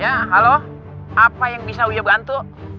ya halo apa yang bisa wio bantu